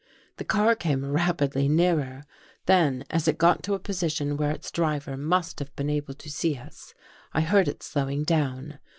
The car came rapidly nearer. Then as it got to a position where its driver must have been able to see us, I heard it slowing down.